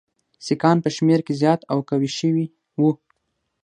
سیکهان په شمېر کې زیات او قوي شوي وو.